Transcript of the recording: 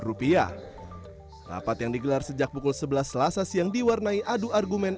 rapat yang digelar sejak pukul sebelas selasa siang diwarnai adu argumen